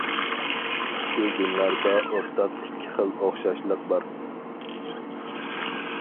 پۈتكۈل دىنلاردا ئورتاق ئىككى خىل ئوخشاشلىق بار.